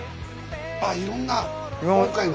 あっいろんな今回の。